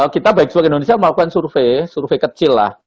kita baik sebagai indonesia melakukan survei survei kecil lah